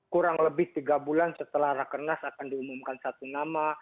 kurang lebih tiga bulan setelah rakernas akan diumumkan satu nama